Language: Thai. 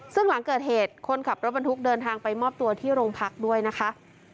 ซึ่งหลังเกิดเหตุคนขับรถบรรทุกเดินทางไปมอบตัวที่โรงพักด้วยนะคะ